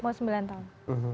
mau sembilan tahun